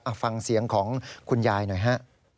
เอาฟังเสียงของคุณยายหน่อยฮะ